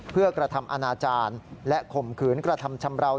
เพื่อกระทำอนาจารย์และข่มขืนกระทำชำราว